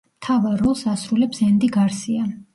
მთავარ როლს ასრულებს ენდი გარსია.